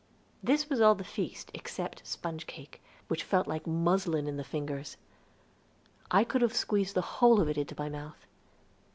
This was all the feast except sponge cake, which felt like muslin in the fingers; I could have squeezed the whole of it into my mouth.